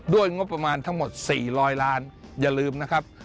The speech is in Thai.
งบประมาณทั้งหมด๔๐๐ล้านอย่าลืมนะครับ